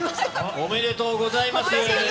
おめでとうございます。